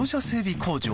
工場。